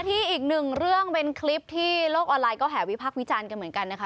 ที่อีกหนึ่งเรื่องเป็นคลิปที่โลกออนไลน์ก็แห่วิพักษ์วิจารณ์กันเหมือนกันนะคะ